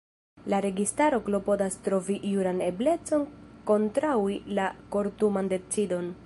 La registaro klopodas trovi juran eblecon kontraŭi la kortuman decidon.